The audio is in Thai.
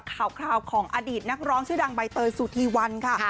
ข่าวของอดีตนักร้องชื่อดังใบเตยสุธีวันค่ะ